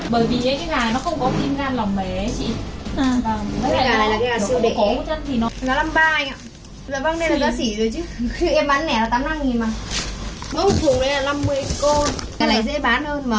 bởi vì cái gà nó không có kim gan lòng mẻ